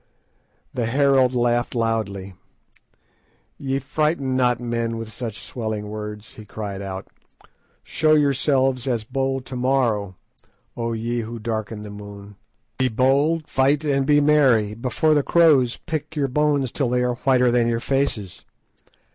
The herald laughed loudly. "Ye frighten not men with such swelling words," he cried out. "Show yourselves as bold to morrow, O ye who darken the moon. Be bold, fight, and be merry, before the crows pick your bones till they are whiter than your faces.